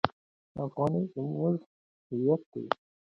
افغانۍ زموږ هویت دی.